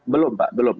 belum mbak belum